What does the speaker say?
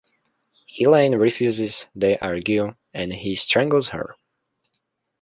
Elaine refuses, they argue, and he strangles her.